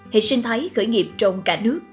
hệ sinh thái khởi nghiệp trồng cả nước